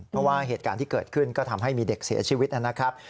เพราะว่าเหตุการณ์ที่เกิดขึ้นก็ทำให้มีเด็กเสียชีวิตนะครับ